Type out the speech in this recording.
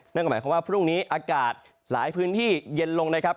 นั่นก็หมายความว่าพรุ่งนี้อากาศหลายพื้นที่เย็นลงนะครับ